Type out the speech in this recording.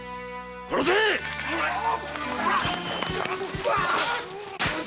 殺せっ！